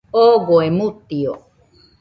Ogoe mutio